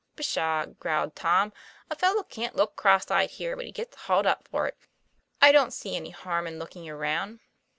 "Pshaw!" growled Tom. "A fellow can't look cross eyed here, but he gets hauled up for it. I don't see any harm in looking around."